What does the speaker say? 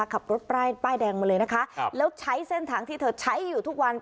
ขับรถป้ายป้ายแดงมาเลยนะคะแล้วใช้เส้นทางที่เธอใช้อยู่ทุกวัน